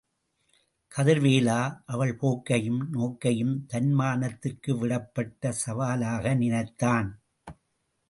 கதிர்வேலோ அவள் போக்கையும், நோக்கையும் தன்மானத்திற்கு விடப்பட்ட சவாலாக நினைத்தான்.